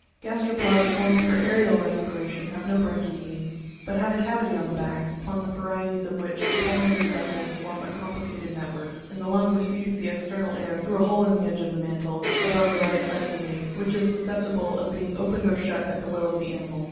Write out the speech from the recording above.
9. Gasteropods formed for aerial respiration have no branchia, but have a cavity on the back, upon the parietes of which the pulmonary vessels form a complicated net work (See fig. 21, page 35), and the lung receives the external air through a hole in the edge of the mantle above the right side of the nape, which is susceptible of being opened or shut at the will of the animal.